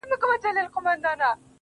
له هغه بې وفا نه نور د هېڅ غوښتنه نه کړم